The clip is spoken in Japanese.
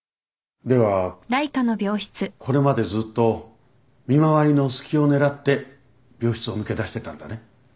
ではこれまでずっと見回りの隙を狙って病室を抜け出してたんだね。